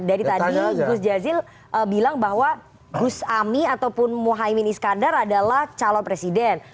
dari tadi gus jazil bilang bahwa gus ami ataupun mohaimin iskandar adalah calon presiden